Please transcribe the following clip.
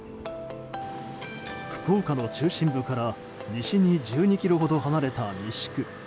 福岡の中心部から西に１２ｋｍほど離れた西区。